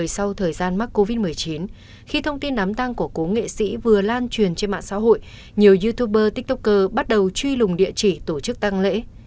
sau thời gian mắc covid một mươi chín khi thông tin đám tăng của cố nghệ sĩ vừa lan truyền trên mạng xã hội nhiều youtuber tiktoker bắt đầu truy lùng địa chỉ tổ chức tăng lễ